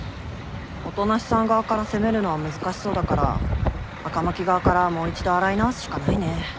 音無さん側から攻めるのは難しそうだから赤巻側からもう一度洗い直すしかないね。